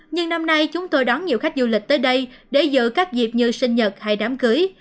nhưng năm nay chúng tôi đón nhiều khách du lịch tới đây để giữ các dịp như sinh nhật hay đám cưới